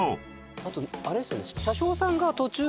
あとあれですよね。